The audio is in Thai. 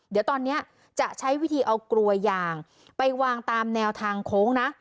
เดี๋ยวตอนนี้จะใช้วิธีเอากลวยยางไปวางตามแนวทางโค้งนะ